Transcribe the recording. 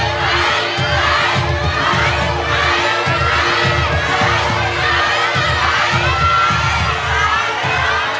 ใช้